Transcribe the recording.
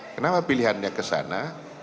kenapa pilihannya ke sana